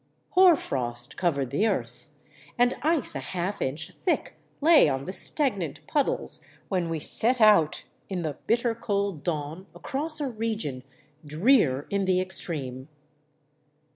Hoar frost covered the earth, and ice a half inch thick lay on the stagnant puddles when we set out in the bitter cold dawn across a re gion drear in the extreme.